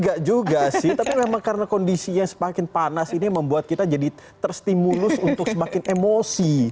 enggak juga sih tapi memang karena kondisinya semakin panas ini membuat kita jadi terstimulus untuk semakin emosi